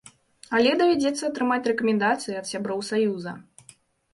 Але давядзецца атрымаць рэкамендацыі ад сяброў саюза.